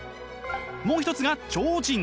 もう一つが超人。